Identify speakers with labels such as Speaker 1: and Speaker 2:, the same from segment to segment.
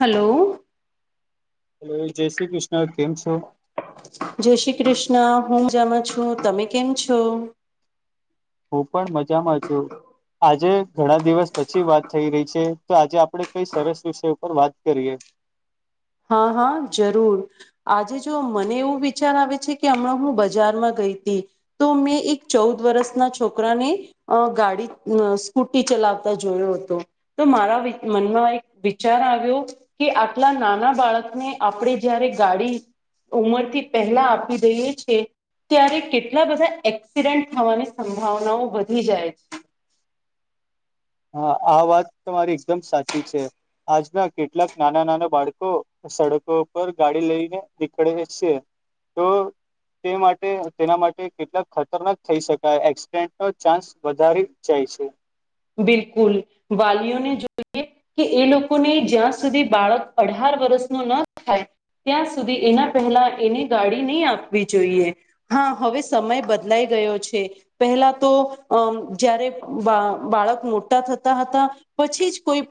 Speaker 1: Hello
Speaker 2: hello જય શ્રી કૃષ્ણ કેમ છો
Speaker 1: જય શ્રી કૃષ્ણ હું મજામાં છું તમે કેમ છો
Speaker 2: હું પણ મજામાં છું આજે ઘણા દિવસ પછી વાત થઈ રહી છે તો આજે આપણે કઈ સરસ વિષય ઉપર વાત કરીએ
Speaker 1: [inaudible] હા હા જરૂર આજે જો મને એવું વિચાર આવે છે કે હમણાં હું બજારમાં ગ ગઈ તી તો મેં એક ચૌદ વર્ષના છોકરાને અ ગાડી અ સ્કૂટી ચલા ચલાવતા જોયો હતો તો મારા વિચ મનમાં એક વિચાર આવ્યો કે આટલા નાના બાળકને આપણે જયારે ગાડી ઉંમરથી પહેલા આપી દઈએ છે ત્યારે કેટલા બધા એક્સિડેન્ટ થવાની સંભાવનાઓ વધી જાય છે [inaudible]
Speaker 2: હા આ વાત તમારી એકદમ સાચી છે આજ ના કેટલાક નાના નાના બાળકો સડકો પર ગાડી લઈને નીકળે છે તો
Speaker 1: [inaudible]
Speaker 2: તે માટે તેના માટે કેટલા ખતરનાક થઈ શકાય એક્સિડેન્ટનો ચાન્સ વધારે જાય છે
Speaker 1: બિલકુલ વાલીઓને જોઈએ કે એ લોકોને જ્યાં સુધી બાળક અઢાર વર્ષનું ના થાય ત્યાં સુધી એના પહેલા એને ગાડી નહીં આપવી જોઈએ હા હવે સમય બદલાઈ ગયો છે પહેલા તો અ જયારે બા બાળક મોટા થતા હતા પછી જ કોઈ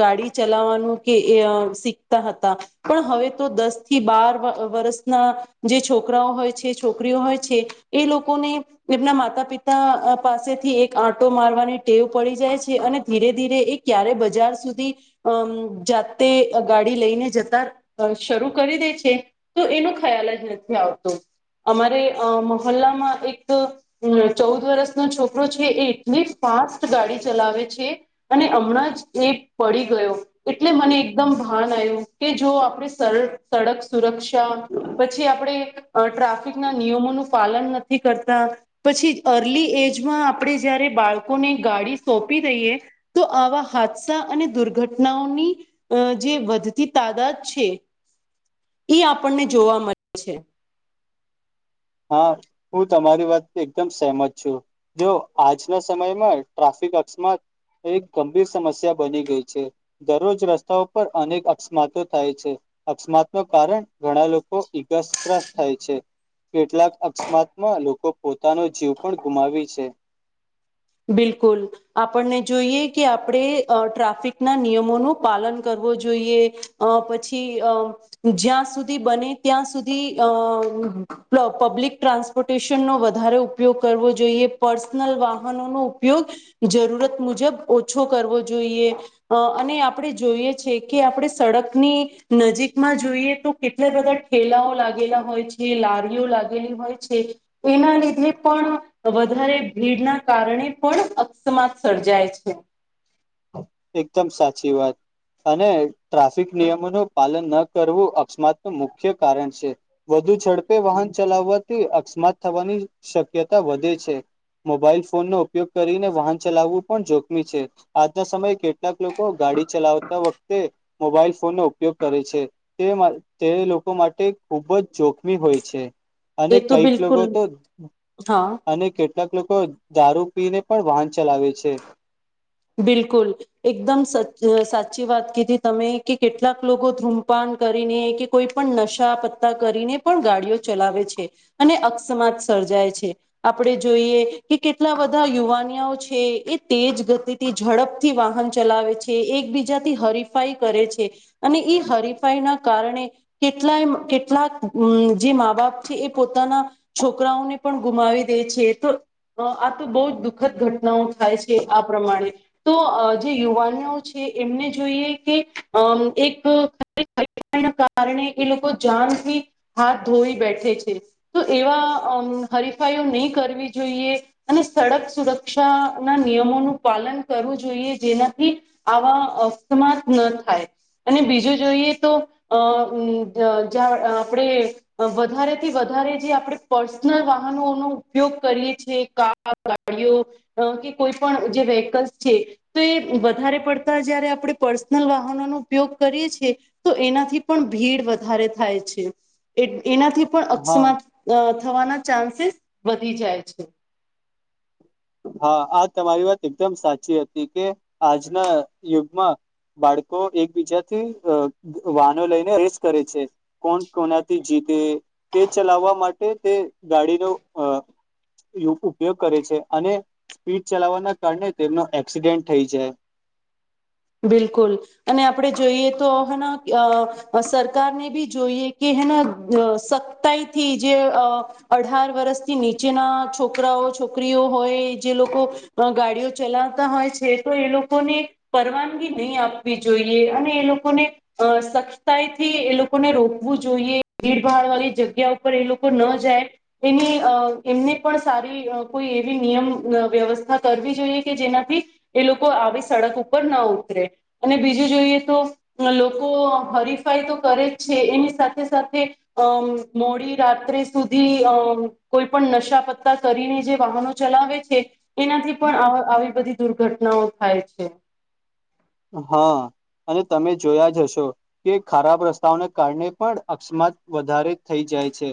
Speaker 1: ગાડી ચલાવાનું કે અ હતા પણ હવે તો દસ થી બાર વર વર્ષના જે છોકરાઓ હોય છે છોકરા છોકરીઓ હોય એ લોકોને એમના માતા પિતા પાસેથી એક આટો મારવાની ટેવ પડી જાય છે અને ધીરે ધીરે એ ક્યારે બજાર સુધી અમ જાતે ગાડી ડી લઈને જતા શરૂ કરી દે છે તો એનો ખયાલ જ નથી આવતો અમારે અ મહોલ્લામાં એક ચૌદ વર્ષનો છોકરો છે એ એટલી જ ફાસ્ટ ગાડી ચલાવે છે અને હમણાં જ એ પડી ગયો એટલે મને એકદમ ભાન આયુ કે જો આપણે સડક સુરક્ષા પછી આપણેે અ ટ્રાફિક ના નિયમોનું પાલન નથી કરતા પછી અર્લી એજ માં આપણે જ જ્યારે બાળક કોને ગાડી સોંપી દઈએ તો આવા હાદસા અને દુર્ઘટનાઓની અ જે વધતી તાદાદ છે એ આપણને જોવા મળે છે
Speaker 2: હા હું તમારી વાત એકદમ સહેમત છું જો આજના સમયમાં ટ્રાફિક ફિક અકસ્માત એક ગંભીર સમસ્યા બની ગઈ છે દરરોજ રસ્તાઓ પર અનેક અકસ્માતો થાય છે અકસ્માતનું કારણ ઘણા લોકો ઇગાસગ્રસ્ત થાય છે કેટલાક અકસ્માતમાં લોકો પોતાનો જીવ પણ ગુમાવી છે
Speaker 1: બિલકુલ આપણને જોઈએ કે આપણે ટ્રાફિક ના નિયમોનું પાલન કરવું કરવુ જોઈએ પછી અ જ્યાં સુધી બને ત્યાં અ સુધી અ લો પબ્લિક ટ્રાન્સપોર્ટેશનનો વધારે ઉપયોગ કરવો જોઈએ પર્સનલ વા હનો ઉપયોગ જરૂરત મુજબ ઓછો કરવો જોઈએ અ અને આપણે જોય એ છે કે આપણે સડક ની નજીક માં જોઈએ તો કેટલા બધા ઠેલાઓ લાગેલા હોય જેલારીઓ લાગેલી હોય છે એના લીધે પણ વધારે ભીડના કારણે પણ અકસ્માત સર્જાય છે
Speaker 2: એકદમ સાચી વાત અને ટ્રાફિક નિયમો નુ પાલન ન કરવું અકસ્માત ન મુખ્ય કારણ છે વધુ ઝડપે વાહન ચલાવવા થી અકસ્માત થવાની શક્યતા વધે છે. મોબાઈલ ફોન નો ઉપયોગ કરીને વાહન ચલાવવું પણ જોખમી છે આજના સમયે કેટલાક લોકો ગાડી ચલાવતા વખતે મોબાઈલ ફોનનો ઉપયોગ કરે છે તે તે લોકો માટે ખૂબ જ જોખમી હોય છે. અને
Speaker 1: એ તો
Speaker 2: કઈક લોકો
Speaker 1: બિલકુલ
Speaker 2: તો
Speaker 1: હા
Speaker 2: અને કે કેટલાક લોકો દારૂ પીને પણ વાહન ચલાવે છે.
Speaker 1: બિલકુલ એકદમ સદ સાચી વાત કીધી તમે કે કેટલાક લોકો ધૂમપાાન કરીને કે કોઈ પણ નશા પત્તા કરીને પણ ગાડીઓ ચલાવે છે અને અક સ્માત સર્જાય છે આપણે જોઈએ કે કેટલા વધા યુવાનિયાઓ છે એ તેજ ગતિ તે ઝડપથી વાહન ચલાવે છે એકબીજાથી હરીફાઈ કરે છે અને એ હરીફાઈ ના કારણે કેટલાય કેટલાક જે મા બાપ છે એ પોતાના છોકરાઓ ને પણ ગુમાવી દે છે તો આ તો બહુ જ દુઃખદ ઘટનાઓ થાય છે આ પ્રમાણે તો અ જે યુવાનીઓ છે એમને જોઈએ કે અમ એક [unintelligible] કારણે એ લોકો જાનથી હાથ ધોઈ બેઠે છે તો એવા હરીફાઈઓ નહી કરવી જોઈએ અને સડક સુરક્ષા ના નિયમોનું પાલન કરવું જોઈએ જેનાથી આવા અક સ્માત ન થાય અને બીજું જોઈએ તો અ ઉમ [unintelligible] આપડણે વધારેથી વધારે વધારે જે આપણે પર્સનલ વાહનો નો ઉપયોગ કરીએ છી કાર ગાડીઓ કે કોઈ પણ જે વેહકલ્ છે તો એ વધારે પડતા જયારે આપણે પર્સનલ વાહનોનો ઉપયોગ કરીએ છી તો એના થી પણ ભીડ વધારે થાય છે એ એનાથી પણ
Speaker 2: હા
Speaker 1: અકસ્માત થવાના ચાન્સીસ વધી જાય છે
Speaker 2: હા આ તમારી વાત એકદમ સાચી હતી કે આજના યુગમાં બાળકો એકબીજાથી વાનો લઈને રેસ કરે છે કોણ કોનાથી જીત તે તે ચલાવવા માટે તે ગાડીનો અ [unintelligible] એવું ઉપયોગ કરે છે. અને સ્પીડ ચલાવવાના કારણે તેમનો એક્સિડેન્ટ થઈ જાય
Speaker 1: બિલકુલ અને આપણેે જોઈએ તો હેના સરકારને બી જોઈએ કે હેને સતાઈ થી જે અઢાર વર્ષથી નીચેના છોકરાઓ છોકરીઓ હોય જે લોકો ગાડીઓ ચલાવતા હોય છે તો એ લોકોને પરવાનગી નઈ આપવી જોઈએ અને એ લોકોને સ્કષ્ટાઈથી એ લોકોને રોકવું જોઈએ ભીડભાડ વાળી જગ્યા ઉપર એ લોકો ન જાય એની અ એમને પણ સારી-' કોઈ એવી નિયમ વ્યવસ્થા કરવી જોઈએ કે જેનાથી એ લોકો આવે સડક ઉપર ઉપ ના ઉતરે અને બીજું જોઈએ તોન લોકો હરીફાઈ તો કરે જ છે એની સાથે સાથેઅ મોડી રાત્રે સુધી અ કોઈ પણ નશા પતા કરીને જે વાહનો ચલાવે છે એનાથી પણ અ આવી બધી દુર્ઘટનાઓ થાય છે.
Speaker 2: હા અને તમે જોયા જ હશો કે ખરાબ રસ્તાઓને કારણે પણ અક્ષમાત વધારે થઈ જાય જાય છે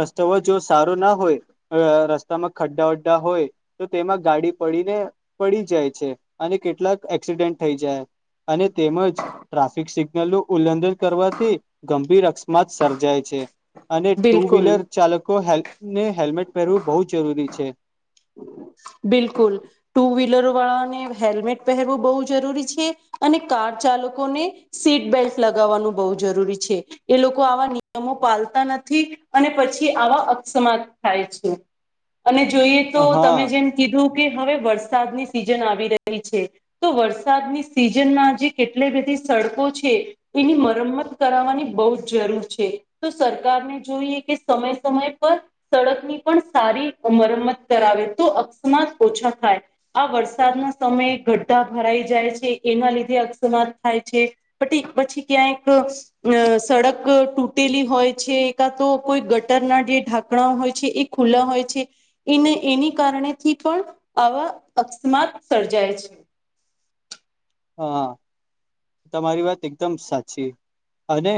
Speaker 2: રસ્તાઓ જો સારો ના હોયઅ રસ્તામાં ખડા વડા હોય તો તેમાં ગાડી પડીને પડી જાય છે, અને કેટલાક એક્સિડેન્ટ થઈ જાય અને તેમજ ટ્રાફિક સિગ્નલો ઉલ્લઘન કરવાથી ગંભીર, અકસ્માત સર્જાય છે. અને ટુ
Speaker 1: બિલકુલ
Speaker 2: વ્હીલર ચાલકોને, હેલ્મેટ પહેરવું બહુ જરૂરી છે.
Speaker 1: વાળને હેલ્મેટ પહેરવું બહુ જરૂરી છે, અને કાર ચાલકોને સીટ બેલ્ટ લગ બ જરૂરી છે, એ લોકો આવા નિયમો પાલતા નથી અને પછી આવા. સમાત થાય છે, અને જોઈએ તો તમે
Speaker 2: હા
Speaker 1: જેમ હવે વરસાદની સિઝન આવી રહી છે, તો વરસાદની સિઝનમાંજ કેટલે સડકો છે, એની મરમત કરની બહ જ જરૂર છે, તો સરકારને જોઈએ કે સમય સમય પર સડકની સારી મરમત કરાવે તો અ ઓછા થાય આ વરસાદના સમય ગડધા ભરાઈ જાય છે, એના લીધે અસ્માત થાય છે, પ પછી ક્યાંક સડક તૂટેલી હોય છે. તો કોઈ ગટરના જે ઢાંકણા હોય છે, એ ખુલ્લા હોય છે, એને એની કારણે થી, પણ આવા અકસ્માત સર્જાય છે.
Speaker 2: હા, તમારી વાત એકદમ સાચી અને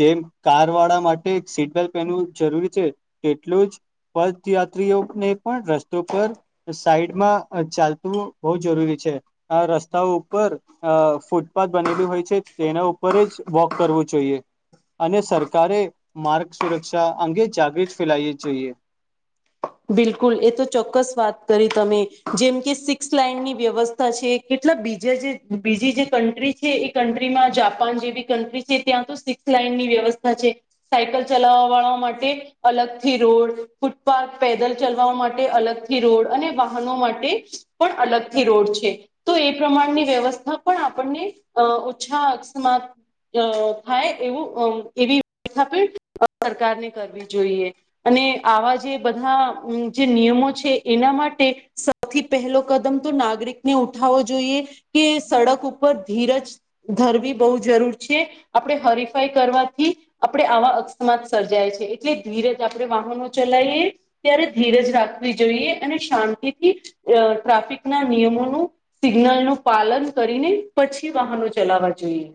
Speaker 2: જેમ કાર વાળા માટે સીટ બેલ્ટ પહેનવું જરૂરી છે, તેટલું જ પથયાત્રીઓને, પણ રસ્તો પર સાઈડમાં ચાલતું બહ જરૂરી છે. છે, આ રસ્તા ઉપર ફૂટ બનેલી હોય છે, તેના ઉપર જ વોક કરવું જોઈએ. અને સરકારે માર્ગ સુરક્ષા, અંગે જાગૃત ફેલાવીવી જોઈએ
Speaker 1: બિલકુલ એ તો ચોક્કસ વાત કરી, તમે જેમ કે સિક્સ લાઈનની વ્યવસ્થા છે, કે બીજ બીજી જે કન્ટ્રી છે, એ કન્ટ્રીમાં જાપાન જેવી કન્ટ્રી છે, ત્યાં તો સિક્સ લ ની વ્યવસ્થા છે, સાયકલ ચલાવ વાળા માટે અલગથી રોડ ફૂટપાથ પેદલ ચલવા માટે અલગથી રોડ અને વાહનો માટે પણ અલગથી રોડ છે, તો એ પ્રમાણની વ્યવસ્થા પણ આપણને ઓછા, અકસ્માત. અ થાય, એવું એવી વ્યવસ્થા પણ સરકાર ને કરવી જોઈએ અને આવા જે બધા જે નિયમો છે, એના માટે સૌથી પહેલો કદમ, તો નાગરિકને ઉઠ જોઈએ કે સડક ઉપર ધીરજ ધરવી બહુ જરૂર છે, આપણે હર કરવાથી આપણે આવા અસ્માત સર્જાય છે, એટલે ધીરજ આપણે વાહનો ચલાવીએ ત્યારે ધીરજ રાખવી જોઈએ, અને શાંતિથી અ ટ્રાફિકના નિયમોનું સિગ્નલ ન પાલન કરીને, પછી વાહનો ચલાવા જોઈએ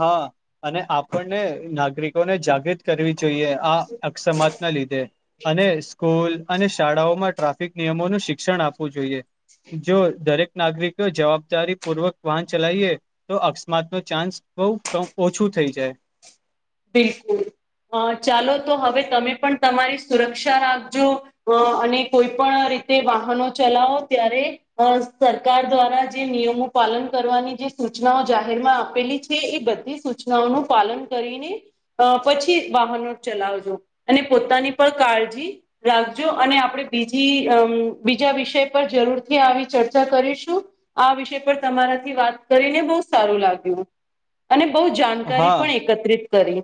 Speaker 2: હા, અને આપણને નાગરિકોને જાગૃત કરવી જોઈએ, આ અસમાત ના લીધે અને સ્કૂલ અને શાળાઓમાં ટ્રાફિક નિયમોનું શિક્ષણ આપવું જોઈએ. જો દરેક નાગરિકો જવાબદારી, પૂર્વક વાહન ચલાવીએ તો અકસ્માત નો ચાન્સ બહ ઓછું થઈ, જાય.
Speaker 1: બિલકુલ અ ચાલો, તો હવે તમે પણ તમારી સુરક્ષા રાખજો અ અને કોઈ પણ રીતે વાહનો ચલાવો, ત્યારે સરકાર દ્વારા જે નિયમો પાલન કરવાની જે સૂચનાઓ જાહેર માં આપેલી છે, એ બધી સૂચનાઓનુંું પાલન કરીને અ પછી, વાહનો ચલાવજો અને પોતાની પણ કાળજી રાખજો અને આપણે, બી બીજા વિષય પર જરૂરથી આવી ચર્ચા કરીશું આ વિષય પર તમારાથી વાત કરીને, બહ સારું લાગ્યું અને બહ જાણકારી
Speaker 2: હા
Speaker 1: પણ એકત્રિત કરી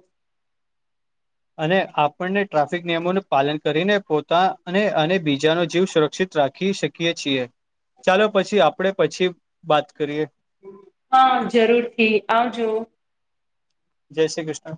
Speaker 2: અને આપણને ટ્રાફિક નિયમોનું પાલન કરીને પોતા અને અને બીજાનો, જીવ સુરક્ષિત રાખી શકીએ છીએ, ચાલો પછી આપણેે પછી વાત કરીએ
Speaker 1: હા, જરૂરથી આવજો
Speaker 2: જય શ્રી કૃષ્ણ.